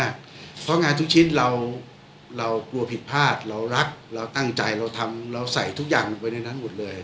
คนนี้ที่ให้กำลังชัยผมตลอดว่า